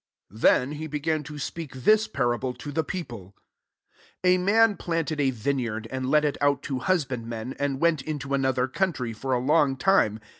9 Then he began to speak this parable to the people :" A man planted a vineyard, and let it out to husbandmen, and went into another country, for a long time.